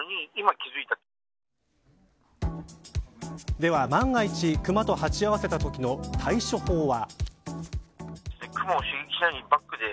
では、万が一クマと鉢合わせたときの対処法は。